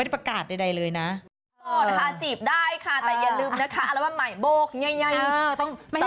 ไม่ให้บกใหญ่